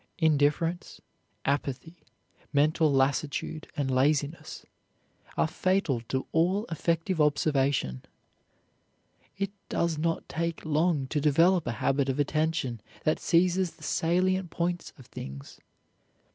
Indifference, apathy, mental lassitude and laziness are fatal to all effective observation. It does not take long to develop a habit of attention that seizes the salient points of things.